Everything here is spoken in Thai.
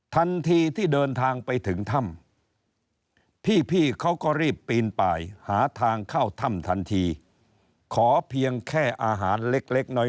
ทันทีที่เดินทางไปถึงถ้ำพี่เขาก็รีบปีนไปหาทางเข้าถ้ำทันทีขอเพียงแค่อาหารเล็กน้อย